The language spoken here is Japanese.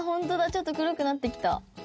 ちょっと黒くなってきた。